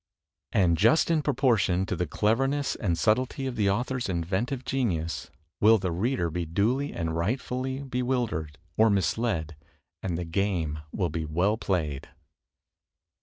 And just in proportion to the cleverness and subtlety of the author's inventive genius, will the reader be duly and rightfully bewildered, or misled, and the game be well played.